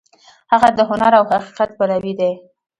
هغه د هنر او حقیقت پلوی دی.